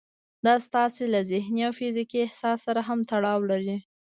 دا ستاسې له ذهني او فزيکي احساس سره هم تړاو لري.